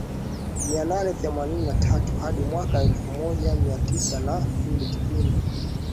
mia nane themanini na tatu hadi mwaka elfu moja mia tisa na mbili Kipindi